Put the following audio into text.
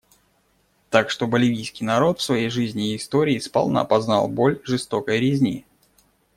Так что боливийский народ в своей жизни и истории сполна познал боль жестокой резни.